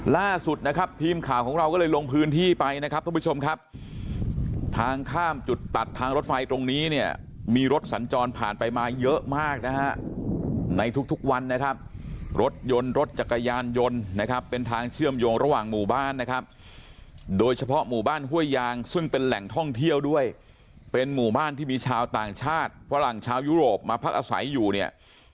ล่าสุดนะครับทีมข่าวของเราก็เลยลงพื้นที่ไปนะครับทุกผู้ชมครับทางข้ามจุดตัดทางรถไฟตรงนี้เนี่ยมีรถสัญจรผ่านไปมาเยอะมากนะฮะในทุกวันนะครับรถยนต์รถจักรยานยนต์นะครับเป็นทางเชื่อมโยงระหว่างหมู่บ้านนะครับโดยเฉพาะหมู่บ้านห้วยยางซึ่งเป็นแหล่งท่องเที่ยวด้วยเป็นหมู่บ้านที่มีชาวต่างชาติฝรั่งชาวยุโรปมาพักอาศัยอยู่เนี่ย